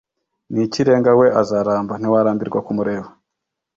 Ni ikirenga we azaramba Ntiwarambirwa kumureba